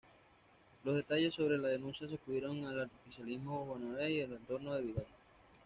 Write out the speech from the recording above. Los detalles sobre la denuncia sacudieron al oficialismo bonaerense y al entorno de Vidal.